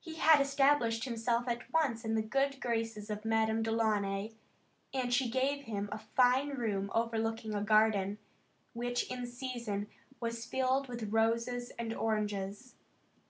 He had established himself at once in the good graces of Madame Delaunay and she gave him a fine room overlooking a garden, which in season was filled with roses and oranges.